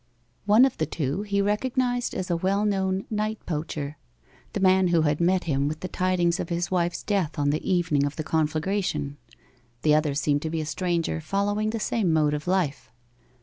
One of the two he recognized as a well known night poacher, the man who had met him with tidings of his wife's death on the evening of the conflagration. The other seemed to be a stranger following the same mode of life.